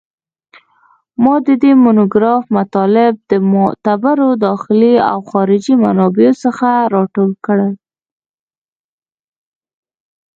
ما د دې مونوګراف مطالب د معتبرو داخلي او خارجي منابعو څخه راټول کړل